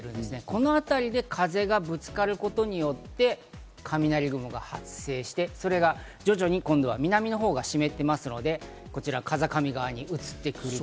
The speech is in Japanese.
このあたりで風がぶつかることによって雷雲が発生して、それが徐々に今度は南のほうが湿っていますので、風上側に移ってくる。